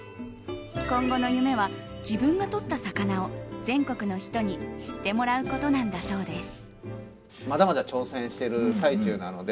今後の夢は自分がとった魚を全国の人に知ってもらうことなんだそうです。